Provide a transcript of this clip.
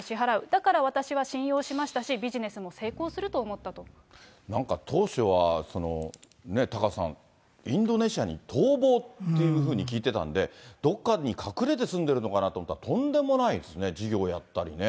だから私は信用しましたし、なんか当初は、タカさん、インドネシアに逃亡っていうふうに聞いてたんで、どっかに隠れて住んでるのかなと思ったら、とんでもないですね、事業やったりね。